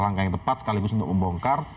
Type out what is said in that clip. langkah yang tepat sekaligus untuk membongkar